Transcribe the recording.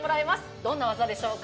どんな技でしょうか？